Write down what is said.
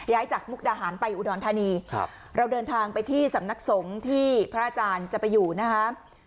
จากมุกดาหารไปอุดรธานีครับเราเดินทางไปที่สำนักสงฆ์ที่พระอาจารย์จะไปอยู่นะคะ